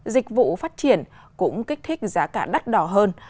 dịch vụ phát triển cũng kích thích giá cả đắt đỏ hơn